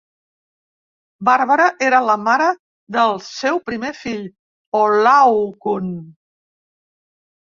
Barbara era la mare del seu primer fill, Olaokun.